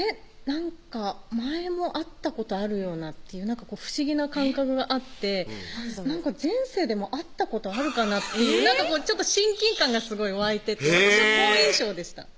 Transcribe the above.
なんか前も会ったことあるようなという不思議な感覚があって前世でも会ったことあるかなっていうなんか親近感がすごい湧いて私は好印象でした